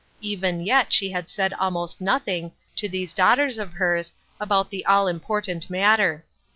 Even yet she had said almost nothing, to these daughters of hers, about the all important matter.